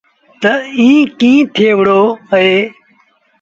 تا ايٚ ڪيٚ ٿئي وهُڙو اهي۔